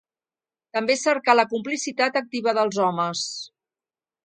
També cercar la complicitat activa dels homes.